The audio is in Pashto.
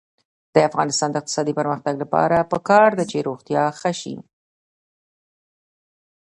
د افغانستان د اقتصادي پرمختګ لپاره پکار ده چې روغتیا ښه شي.